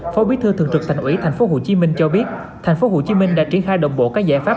phó bí thư thường trực thành ủy tp hcm cho biết tp hcm đã triển khai đồng bộ các giải pháp